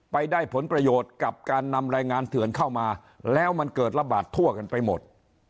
ไปได้ผลประโยชน์กับการนำแรงงานเถื่อนเข้ามาแล้วมันเกิดระบาดทั่วกันไปหมด